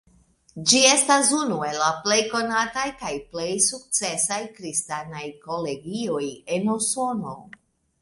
Ĝi estas unu el la plej konataj kaj plej sukcesaj kristanaj kolegioj en Usono.